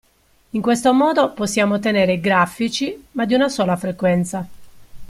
In questo modo possiamo ottenere i grafici ma di una sola frequenza.